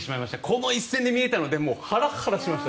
この一戦で見えたのでもうハラハラしました。